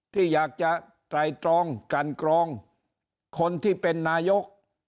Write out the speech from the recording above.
ที่อยากจะไตรตรองกันกรองคนที่เป็นนายก